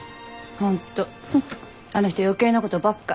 本当あの人余計なことばっか。